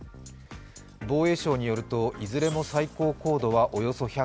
防衛省によると、いずれも最高高度はおよそ１００ｋｍ。